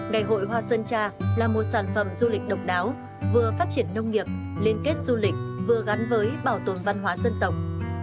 ngày hội hoa sơn tra là một sản phẩm du lịch độc đáo vừa phát triển nông nghiệp liên kết du lịch vừa gắn với bảo tồn văn hóa dân tộc